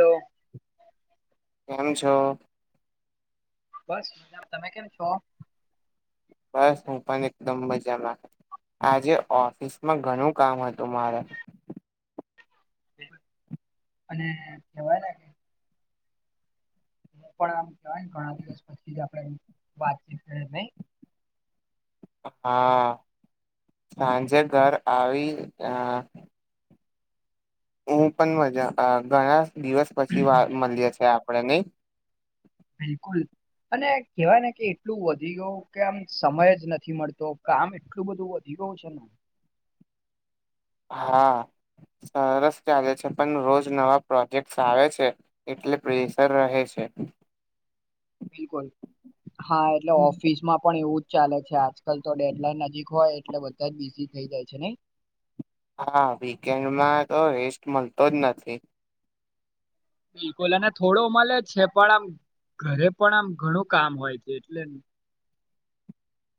તો કેમ છો? બસ, તમે કેમ છો? બસ, હું પણ એકદમ મજામાં. આજે ઓફિસમાં ઘણું કામ હતું મારે. અને, કેવાય કે હું પણ આમ કહેવાય, ઘણા દિવસ પછી આપણે વાતચીત કરી, ભાઈ. [unintelligible] હા, સાંજે ઘર આવી. હું પણ મજામાં. ઘણા દિવસ પછી વાર મળીએ છે આપણે, નહીં? બિલકુલ. અને કેહેવાય ને કે, એટલું વધી ગયું કે આમ સમય જ નથી મળતો. કામ એટલું બધું વધી ગયું. પછી હ. હા. સરસ ચાલે છે, પણ રોજ નવા પ્રોજેક્ટ આવે છે, એટલે પ્રેશર રહે છે. [unintelligible] બિલકુલ, હા. એટલે ઓફિસમાં પણ એવું ચાલે છે આજકાલ, તો ડેડલાઈન નજીક હોય એટલે બધા જ બિઝી થઈ જાય છે, નહીં? હા, વીકેન્ડમાં તો રેસ્ટ મળતો જ નથી. બિલકુલ, અને થોડું મળે છે, પણ આમ ઘરે પણ આમ ઘણું કામ હોય છે, એટલેને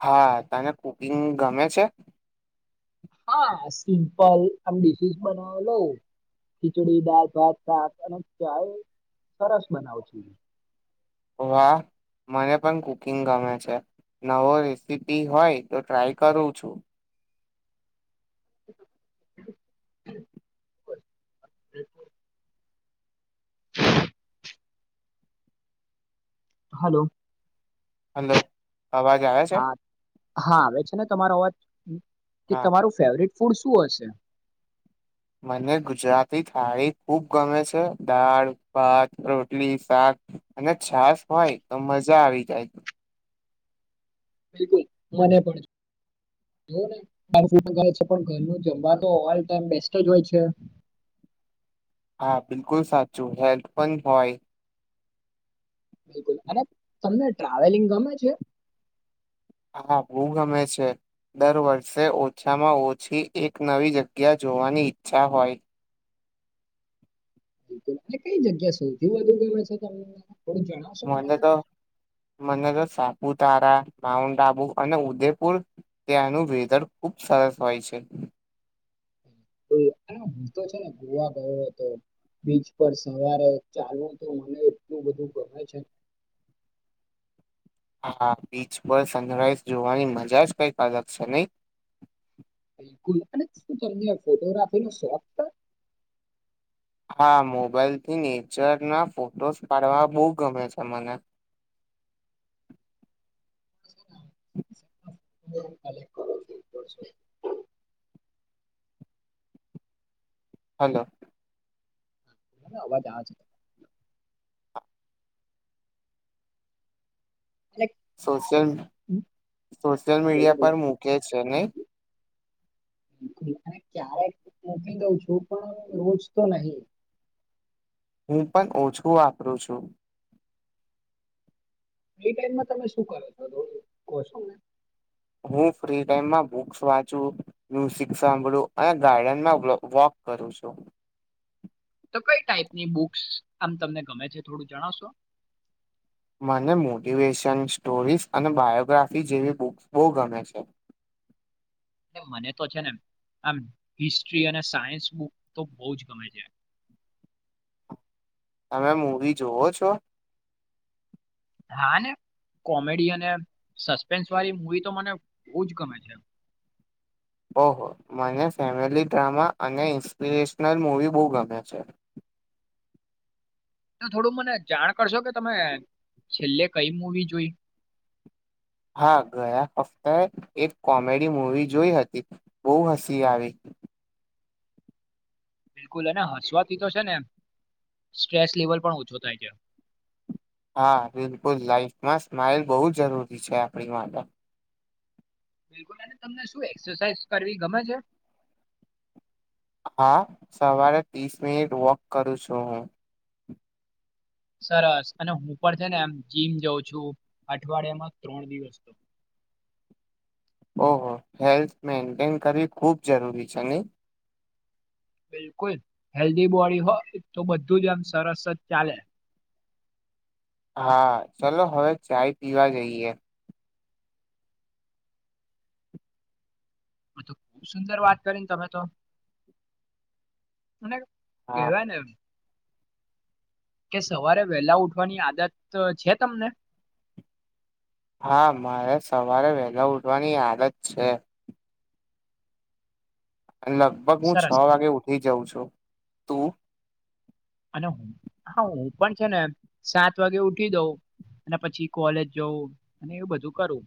હા, તને કુકિંગ ગમે છે? હા, સિમ્પલ આમ ડિસીસ બનાવા લો ખીચડી, દાલ, ભાત, શાક અને ચાય સરસ બનાવ છું. વાહ, મને પણ કુકિંગ ગમે છે. નવો રેસીપી હોય તો ટ્રાય કરું છું. [inaudible] હલો. હલો અવાજ આવે છે? હા હા આવે છે ને તમારો અવાજ. કે હા તમારું ફેવરટ ફૂડ શું હશે? મને ગુજરાતી થાળી ખુબ ગમે છે. દાળ, ભાત, રોટલી, શાક અને છાસ હોય તો મજા આવી જાય. બિલકુલ મને પણ જોને [unintelligible] ઘરનું જમવા તો ઓલ ટમ બેસ્ટ જ હોય છે. હા બિલકુલ સાચું. હેલ્થ પણ હોય બિલકુલ, અને તમને ટ્રાવેલિંગ ગમે છે? હા બઉ ગમે છે. દર વર્ષે ઓછામાં ઓછી એક નવી જગ્યા જોવાની ઈચ્છા હોય બિલકુલ, અને કઈ જગ્યા સૌથી વધુ ગમે છે તમને? થોડું જણાવશો મને બિલકુલ. તો મનને તો સાપુતારા, માઉન્ટ આબુ અને ઉદયપુર ત્યાંનું વેધર ખુબ સરસ હોય છ છે. ઓ, હું તો છે ને ગોવા ગયો હતો બીચ પર સવારે ચાલવ તો મને એટલું બધું ગમે છે. [inaudible] હા બીચ પર સનરાઈઝ જોવાની મજા જ કઈક અલગ છે. નહી? [unintelligible] શું કરી ફોટોગ્રાફી નો શોખ છે? હા મોબાઈલ થી નેચર ના ફોટોસ પાડવા બહુ ગમે છે મને. [inaudible] [inaudible] હાલો. અવાજ આ એટલે સોશિયલ ક્યારેક હમ, સોશિયલ મીડિયા પર મૂકે છે ને. બિકુલ ક્યારેક મુકી દઉં છું. પણ રોજ તો નહી હું પણ ઓછું વાપરું છું. એ ટાઈમમાં તમે શું કરો છો? થોડું કો છો ને? હું ફ્રી ટાઈમમાં બુકસ વાંચુ, મ્યુઝિક સાંભળું અને ગાર્ડનમાં વલો વોક કરું છું. તો કઈ ટાઈપની બુક્સ આમ તમને ગમે છે. થોડું જણાવશો. મને મોટિવેશન સ્ટોરીઝ અને બાયોગ્રાફી જેવી બુક્સ બહુ ગમે છે. [inaudible] મને તો છે ને આમ હિસ્ટ્રી અને સાયન્સ બુક તો બહુ જ ગમે છે. તમે મુવી જોવો છો? હા ને. કોમેડી અને સસ્પેન્સ વાળી મૂવી તો મને બહુ જ ગમે છે. ઓહો, મને ફેમિલી ડ્રામા અને ઇન્સ્પિરેશનલ મૂવી બહુ ગમે છે. [inaudible] થોડું મને જાણ કરશો કે તમે છેલ્લે કઈ મુવી જોઈ? હા ગયા હપ્તાએ એક કોમેડી મુવી જોઈ હતી બહુ હસી આવી. [inaudible] બિલકુલ અને હસવાથી તો શે ને સ્ટ્રેસ લેવલ પણ ઓછો થાય છે. હા બિલકુલ લાઈફમાં સ્માઈલ બહુ જરૂરી છે આપણી માટે. બિલકુલ અને તમને શું એક્સરસાાઈઝ કરવી ગમે છે? હા સવારે ત્રીસ મિનિટ વોક કરું છું હું. સરસ અને હું પણ છે ને એમ જીમ જાઉં છું અઠવાડિયામાં ત્રણ દિવસ તો. ઓહો, હેલ્થ મેન્ટેન કરવી ખૂબ જરૂરી છે નહી? બિલકુલ હેલ્ધી બોડી હોય તો બધું જ એમ સરસ જ ચાલે. હા ચલો હવે ચાય પીવા જઈએ. આ તો ખુબ સુંદર વાત કરીને તમે તો. મને હા કેવાય ને એમ કે સવારે વેલા ઉઠવાની આદત છે તમને? હા મારે સવારે વહેલા ઉઠવાની આદત છે. અને લગભગ હું છ સરસ વાગે ઉઠી જાઉં છું. તું? અને હુ હા હું પણ છે ને સાત વાગે ઉઠી જઉં અને પછી કોલેજ જવું અને એવું બધું કરું.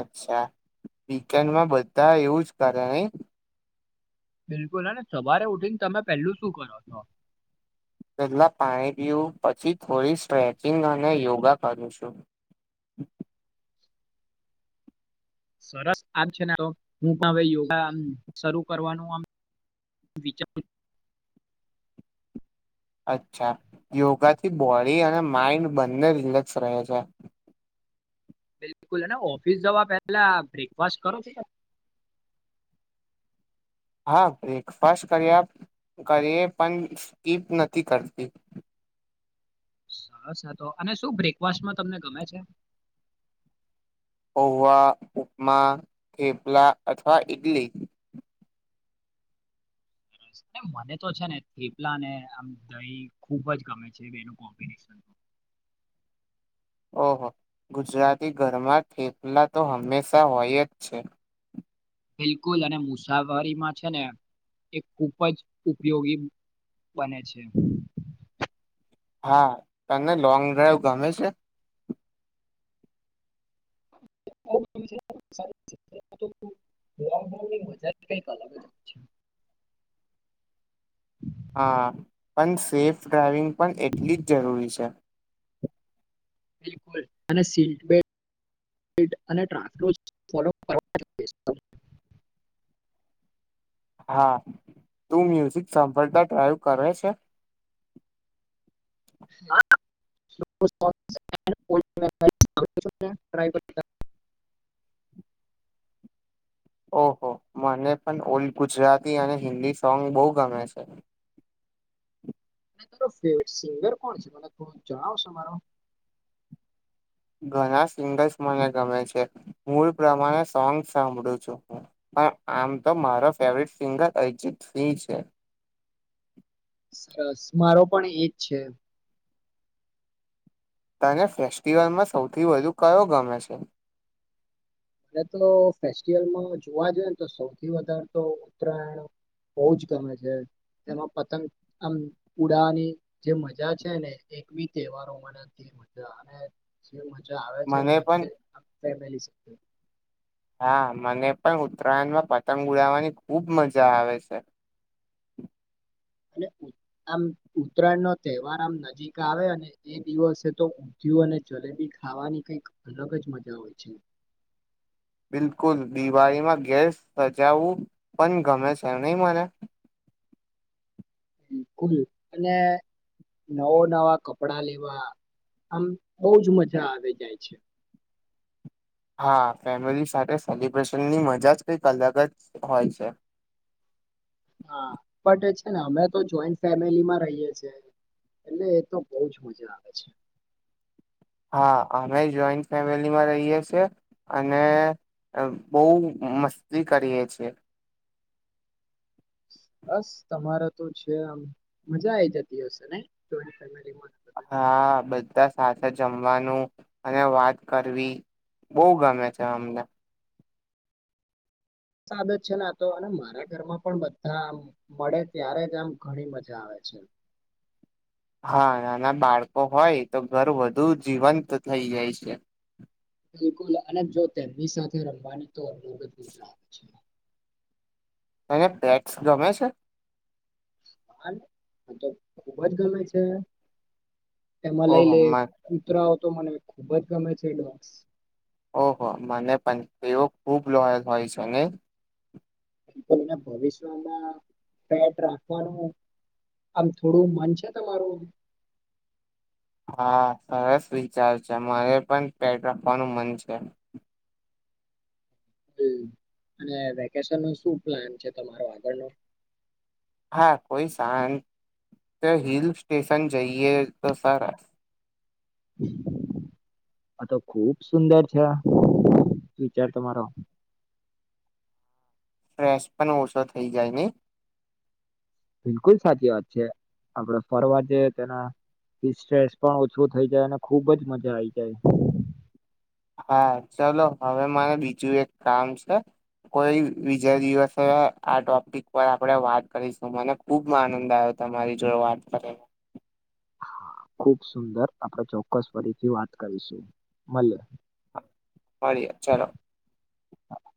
અચ્છા વીકેન્ડમાં બધા એવું જ કરે ની? બિલકુલ હને સવારે ઉઠીને તમે પેલું શું કરો છો? પેલા પાણી પીવું પછી થોડી સ્ટ્રેચિંગ અને યોગા કરું છું. [inaudible] સરસ આમ છે ને હું પણ હવે યોગા આમ શરૂ કરવાનું આમ વિચારુ અચ્છા, યોગાથી બોડી અને માઈન્ડ બંને રિલેક્સ રહે છે. બિલકુલ અને ઓફિસ જવા પેલા બ્રેકફાસ્ટ કરો છો તમે? હા, બ્રેકફાસ્ટ કર્યા કરીએ પણ સ્કીપ નથી કરતી. સરસ તો અને શું બ્રેકફાસ્ટમાં તમને ગમે છે? પહવા, ઉપમા, ખેપલા અથવા ઈડલી. મને તો છે ને થીપલા ને આમ દહી ખુબ જ ગમે છે બે નું કોમ્બિનેશન. [inaudible] ઓહો, ગુજરાતી ઘરમાં થેપલા તો હંમેશા હોય જ છે. બિલકુલ અને મુસાફરીમાં છે ને એ ખુબ જ ઉપયોગી- બને છે હા તને લોંગ ડ્રાઈવ ગમે છે? [inaudible] લોકડાઉન ની વજન કઈક અલગ અલગ છે. [inaudible] હા, પણ સેફ ડ્રાઈવિંગ પણ એટલી જ જરૂરી છે. બિલકુલ અને સીટબેલ્ટ અને ટ્રાફ ફોલો [inaudible] હા, તું મ્યુઝિક સાભળતા ડ્રાઈવ કરે છે? હા. [inaudible] [inaudible] ઓહો, મને પણ ઓલ્ડ ગુજરાતી અને હિન્દી સોંગ બહુ ગમે છે. [inaudible] વટ સિંગર કોણ છે મને થોડું જણાવશો મારો? ઘણા સિંગર્સ મને ગમે છે. મૂળ પ્રમાણે સોંગ સાંભળું છું હું. પણ આમ તો મારો ફેવરેટ સિંગર અરિજીત સિંહ છે. સરસ મારો પણ એજ છે. તને ફેસ્ટિવલમાં સૌથી વધુ કયો ગમે છે? એટલે ફેસ્ટિવલમાં જોવા જઈએ ને તો સૌથી વધારે તો ઉત્તરાયણ બહું જ ગમે છે. તેમાં પતંગ આમ ઉડાવાની જે મજા છે ને એક બી તહેવારો મનાતી જા અને જે મજા આવે છે મને ને પણ તે આપ તે લઇ શકે. હા મને પણ ઉત્તરાયણમાં પતંગ ઉડાવવાની ખુબ મજા આવે છે [inaudible] અને આમ ઉત્તરાયણ નો તહેવાર આમ નજીક આવે અને એ દિવસે તો ઉધય્યું અને જલેબી ખાવાની કઈક અલગ જ મજા હોય છે. [inaudible] બિલકુલ દિવાળીમાં ગેસ સજાવું પણ ગમે છે એ ની મને. બિલકુલ અને નવો નવા કપડા લેવા આમ બઉજ મજા આવી જાય છે. [inaudible] હા ફેમિલી સાથે સેલિબ્રેશનની મજા જ કંઈક અલગ જ હોય છે. [inaudible] હા પણ છે ને અમે તો જોઈન્ટ ફેમિલીમાં રહીએ છે. એટલે એ તો બહુ જ મજા આવે છે. હા અમે જોઈન્ટ ફેમિલીમાં રહીયે છે અને અ બઉ મસ્તી કરીયે છે બસ તમારે તો છે આમ મજા આઈ જતી હશે ને ચોરી હા બધા સાચા જ જમવાનું અને વાત કરવી બઉ ગમે છે એમને. સાદ જ છે ને તો અને મારા ઘરમાં પણ બધા આમ મળે ત્યારે જ આમ ઘણી મજા આવે. છે. હા નાના બાળકો હોય તો ઘર વધુ જીવંત થઈ જાય છે. બિલકુલ અને જો તેમની સાથે રમવાની તો અલગજ ગુજરા આવે છે. તને પેક્સ ગમે છે? હાર તો ખુબજ ગમે છે. એમાં લઈ ઓહો લે મ કૂતરાઓ તો મને ખુબ જ ગમે છે ડોગ્સ. ઓહો મને પણ તેવ ખુબ લોયલ હોય છે ને. ના ભવિષ્યમાં પેટ રાખવાનું આમ થોડું મન છે તમારું. [inaudible] હા સરસ વિચાર છે મારે પણ પેટ રાખવાનું મન છે. હ અને વેકેશન ને શું પ્લાન છે તમારો આગળ નો. હા કોઈ સાન. તે હિલ સ્ટેશન જઈએ તો સરસ. [inaudible] આ તો ખુબ સુંદર છે વિચાર તમારો. ફ્રેશ પણ ઓછો થઈ જાય ને બિલકુલ સાચી વાત છે આપડે ફરવા જઈયે તેના સ્ટ્રેસ પણ ઓછું થઈ જાય અને ખુબ જ મજા આઈ જાય. હા ચલો હવે મને બીજું એક કામ છે. કોઈ બીજા દિવસે આ ટોપિક પર આપડે વાત કરીશું મને ખુબ આનંદ આયો. તમારી જોડે વાત કરીને ખુબ સુંદર આપડે ચોક્કસ ફરીથી વાત કરીશું મલિયે. મળીએ ચલો હા.